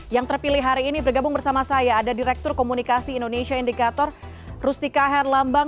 yang terpilih hari ini bergabung bersama saya ada direktur komunikasi indonesia indikator rustika herlambang